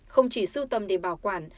không chỉ sưu tầm để bảo quản